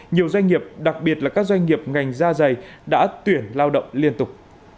nhiều doanh nghiệp đặc biệt là các doanh nghiệp ngành da dày đã tuyển lao động liên tục